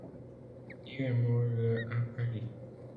Il est mort le à Paris.